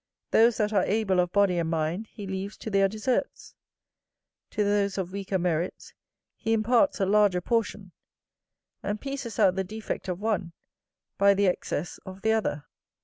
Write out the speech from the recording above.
Those that are able of body and mind he leaves to their deserts; to those of weaker merits he imparts a larger portion; and pieces out the defect of one by the excess of the other.